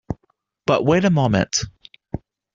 But wait a moment!